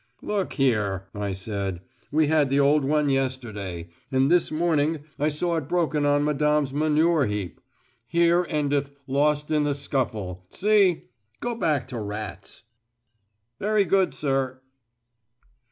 "Look here," I said. "We had the old one yesterday, and this morning I saw it broken on Madame's manure heap. Here endeth 'lost in the scuffle.' See? Go back to rats." "Very good, sir."